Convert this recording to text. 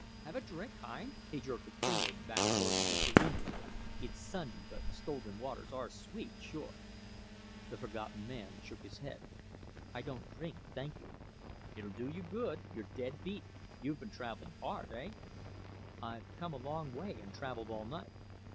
"Have a drink hein?" He jerked a finger backwards to the saloon door. "It's Sunday, but stolen waters are sweet, sure!" The Forgotten Man shook his head. "I don't drink, thank you." "It'd do you good. You're dead beat. You've been travelling hard eh?" "I've come a long way, and travelled all night."